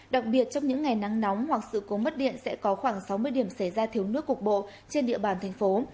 đặc biệt trong những ngày nắng nóng hoặc sự cố mất điện sẽ có khoảng sáu mươi điểm xảy ra thiếu nước cục bộ trên địa bàn thành phố